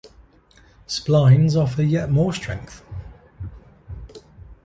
Splines offer yet more strength.